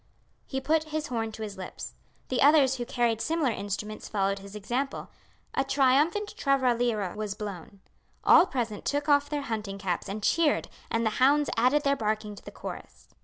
He put his horn to his lips. The others who carried similar instruments followed his example. A triumphant traralira was blown. All present took off their hunting caps and cheered, and the hounds added their barking to the chorus.